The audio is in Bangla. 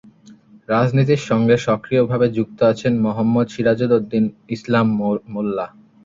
রাজনীতির সঙ্গে সক্রিয় ভাবে যুক্ত আছেন মো: সিরাজুল ইসলাম মোল্লা।